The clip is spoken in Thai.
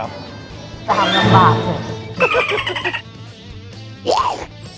ตามน้ำปลาเถอะ